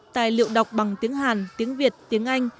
tài liệu đọc bằng tiếng hàn tiếng việt tiếng anh